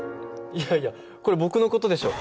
いやいやこれ僕の事でしょ！